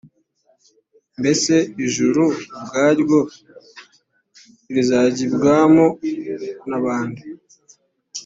mbese ijuru ubwaryo rizajyibwamo na bande?